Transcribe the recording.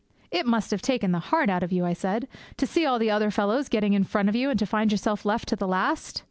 'It must have taken the heart out of you,' I said, 'to see all the other fellows getting away in front of you, and to find yourself left to the last?'